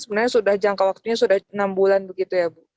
sebenarnya sudah jangka waktunya sudah enam bulan begitu ya bu